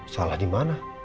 salah di mana